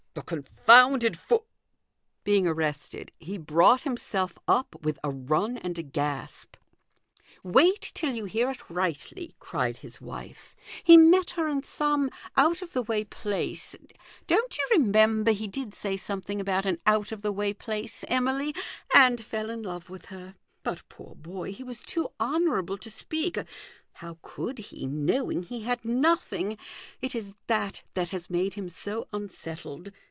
" The confounded foo !" Being arrested, he brought himself up with a run and a gasp. " Wait till you hear it rightly !" cried his wife. "He met her in some out of the way place ; don't you remember he did say some thing about an out of the way place, Emily ? and fell in love with her. But poor boy, he was too honourable to speak. How could he, knowing he had nothing ? It is that that has made him so unsettled.